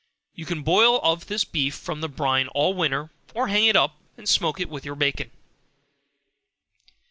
You can boil of this beef from the brine all winter, or hang it up, and smoke it with your bacon.